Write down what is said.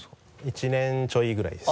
１年ちょいぐらいです。